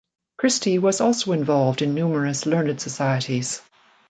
Christy was also involved in numerous learned societies.